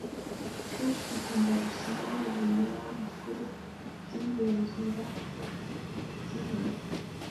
Kenshi dukunda gusoma mu binyamakuru iby’igenzura ry’inyama